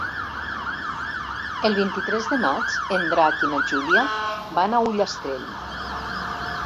El vint-i-tres de maig en Drac i na Júlia van a Ullastrell.